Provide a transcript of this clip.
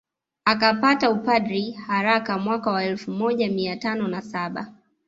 Akapata upadre haraka mwaka wa elfu moja mia tano na saba